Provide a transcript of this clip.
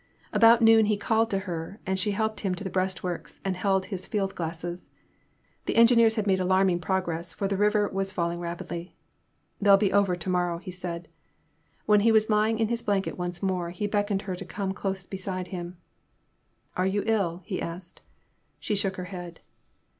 About noon he called to her, and she helped him to the breastworks and held his field glasses. The engineers had made alarming progress, for the river was falling rapidly. They '11 be over to morrow,*' he said. When he was lying in his blanket once more, he beckoned her to come close beside him. Are you ill ?" he asked. She shook her head.